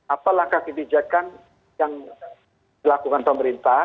apalah kebijakan yang dilakukan pemerintah